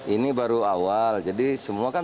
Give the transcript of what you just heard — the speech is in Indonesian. ini baru awal jadi semua kan